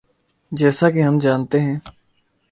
جیسا کہ ہم جانتے ہیں۔